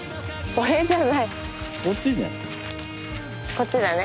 こっちだね。